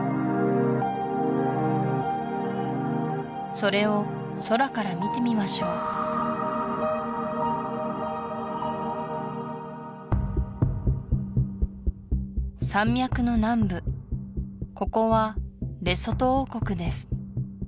それを空から見てみましょう山脈の南部ここはレソト王国です